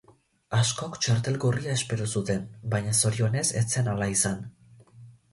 Askok txartel gorria espero zuten, baina zorionez ez zen ahala izan.